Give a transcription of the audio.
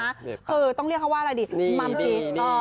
เบะปากคือต้องเรียกเขาว่าอะไรดินี่นี่นี่อ๋อ